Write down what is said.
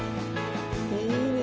いいね！